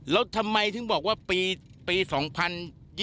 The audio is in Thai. เราทำไมถึงบอกว่าปี๒๐๒๐นี่จะเกิด